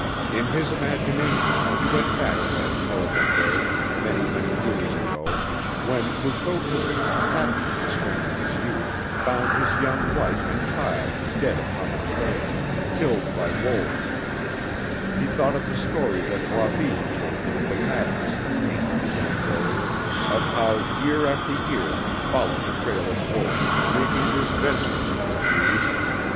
In his imagination he went back to that terrible day many, many years ago, when Mukoki, happy in the strength of his youth, found his young wife and child dead upon the trail, killed by wolves; he thought of the story that Wabi had told him of the madness that came to the young warrior, of how year after year he followed the trail of wolves, wreaking his vengeance on their breed.